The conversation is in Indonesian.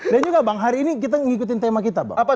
dan juga bang hari ini kita ngikutin tema kita bang